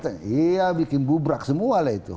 iya bikin bubrak semua lah itu